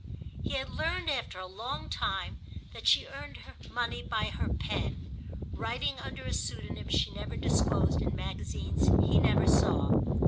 He had learned after a long time that she earned money by her pen, writing under a pseudonym she never disclosed in magazines he never saw.